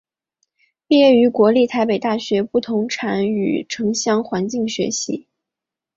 毕业于国立台北大学不动产与城乡环境学系。